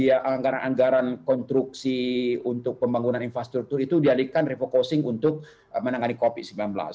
anggaran anggaran konstruksi untuk pembangunan infrastruktur itu dialihkan refocusing untuk menangani covid sembilan belas